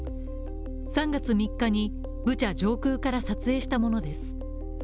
３月３日ブチャ上空から撮影したものです。